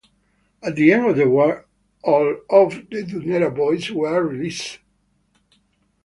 At the end of the war all of the Dunera Boys were released.